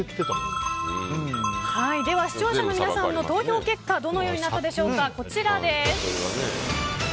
では視聴者の皆さんの投票結果どのようになったでしょうか。